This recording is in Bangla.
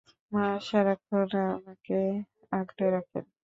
মা সারাক্ষণ আমাকে আগলে রাখেন।